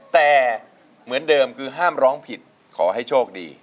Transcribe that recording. แต่เหมือนเดิมคือห้ามร้องผิดขอให้โชคดี